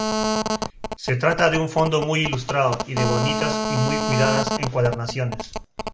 Se trata de un fondo muy ilustrado y de bonitas y muy cuidadas encuadernaciones.